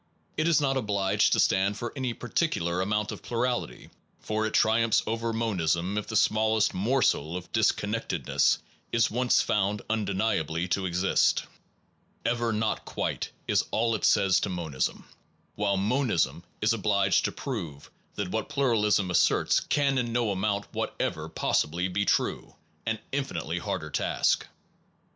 It is not obliged to stand for any particu lar amount of plurality, for it triumphs over monism if the smallest morsel of disconnected ness is once found undeniably to exist. Ever not quite is all it says to monism; while mon ism is obliged to prove that what pluralism asserts can in no amount whatever possibly be true an infinitely harder task.